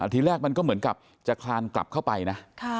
ทีแรกมันก็เหมือนกับจะคลานกลับเข้าไปนะ